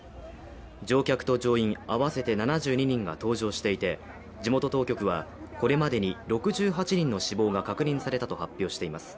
乗客と乗員合わせて７２人が搭乗していて地元当局はこれまでに６８人の死亡が確認されたと発表しています。